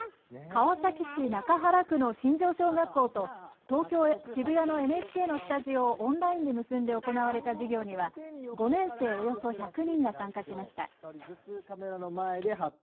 川崎市中原区の新城小学校と東京渋谷のＮＨＫのスタジオをオンラインで結んで行われた授業には５年生およそ１００人が参加しました。